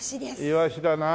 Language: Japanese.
イワシだな。